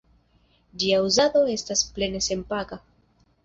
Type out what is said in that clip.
Ĝia uzado estas plene senpaga.